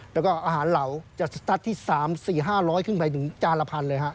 แล้วก็อาหารเหล่าจะสตัสที่๓๔๕๐๐ขึ้นไปถึงจานละพันเลยฮะ